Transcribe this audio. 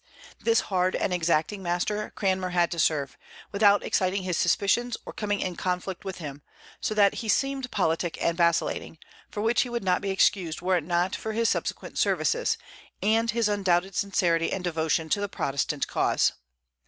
This hard and exacting master Cranmer had to serve, without exciting his suspicions or coming in conflict with him; so that he seemed politic and vacillating, for which he would not be excused were it not for his subsequent services, and his undoubted sincerity and devotion to the Protestant cause.